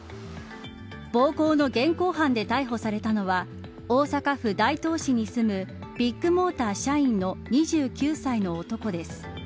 暴行の現行犯で逮捕されたのは大阪府大東市に住むビッグモーター社員の２９歳の男です。